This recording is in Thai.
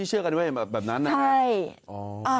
เชื่อกันด้วยแบบนั้นน่ะ